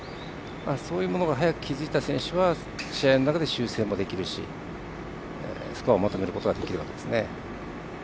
そういうものが早く気付いた選手は試合の中で修正もできるしスコアをまとめることができるわけですね。